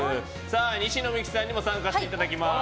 西野未姫さんにも参加していただきます。